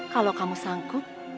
kalau kamu sanggup